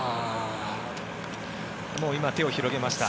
今、もう手を広げました。